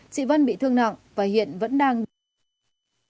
chị vân bị thương nặng và hiện vẫn đang bị vụt